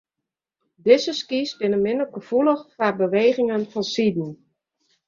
Dizze skys binne minder gefoelich foar bewegingen fansiden.